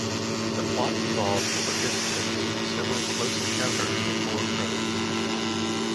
The plot involves the participants in several close encounters with Borg drones.